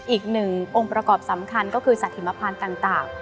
อีกหนึ่งองค์ประกอบสำคัญก็คือสถิมพันธ์ต่าง